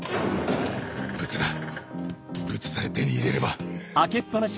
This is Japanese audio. ブツだブツさえ手に入れれば